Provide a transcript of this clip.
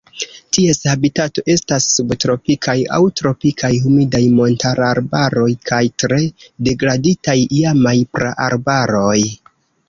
Ties habitato estas subtropikaj aŭ tropikaj humidaj montararbaroj kaj tre degraditaj iamaj praarbaroj.